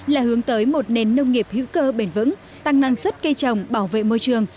là hướng tới một nền nông nghiệp hữu cơ bền vững tăng năng suất cây trồng bảo vệ môi trường